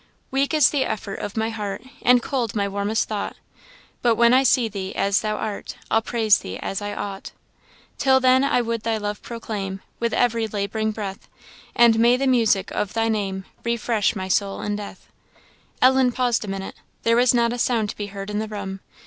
Weak is the effort of my heart, And cold my warmest thought But when I see thee as thou art, I'll praise thee as I ought. Till then, I would thy love proclaim With every lab'ring breath; And may the music of thy name Refresh my soul in death." Ellen paused a minute. There was not a sound to be heard in the room.